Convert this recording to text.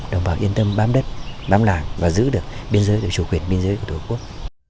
đồng bào yên tâm bám đất bám làng và giữ được biên giới được chủ quyền biên giới của tổ quốc